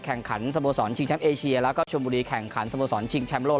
แข่งขันสโมสรชิงแชมป์เอเชียแล้วก็ชมบุรีแข่งขันสโมสรชิงแชมป์โลก